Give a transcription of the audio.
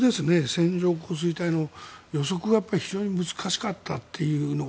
線状降水帯の予測が非常に難しかったという。